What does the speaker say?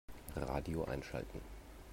Radio einschalten.